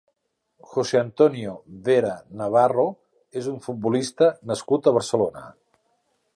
José Antonio Vera Navarro és un futbolista nascut a Barcelona.